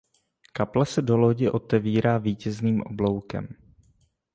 Kaple se do lodi otevírá vítězným obloukem.